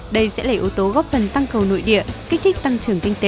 đây sẽ lấy ưu tố góp phần tăng cầu nội địa kích thích tăng trưởng kinh tế